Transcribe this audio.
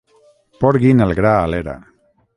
Porguin el gra a l'era.